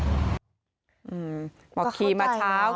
อือเขาเข้าใจเหรอ